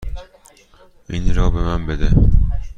این را به من بده.